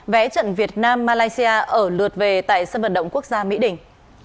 vẽ trận việt nam malaysia ở lượt về tại sân vận động quốc gia mỹ đỉnh